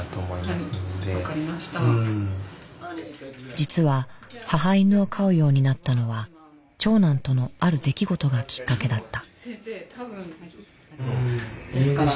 実は母犬を飼うようになったのは長男とのある出来事がきっかけだった。